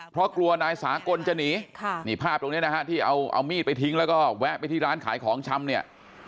เพราะกลัวนายสากลจะหนีนี่ภาพตรงนี้นะฮะที่เอามีดไปทิ้งแล้วก็แวะไปที่ร้านขายของชำเนี่ย